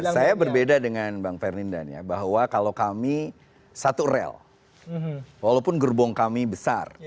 saya berbeda dengan bang ferdindan ya bahwa kalau kami satu rel walaupun gerbong kami besar